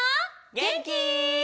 げんき？